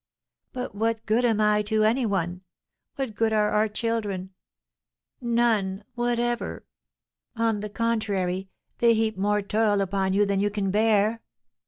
"But what good am I to any one? what good are our children? None whatever; on the contrary, they heap more toil upon you than you can bear."